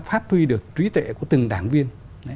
phát huy được trí tệ của từng đảng viên